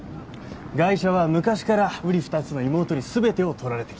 ガイ者は昔からうり二つの妹に全てを取られてきた。